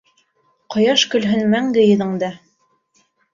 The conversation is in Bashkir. Ҡояш көлһөн мәңге йөҙөңдә.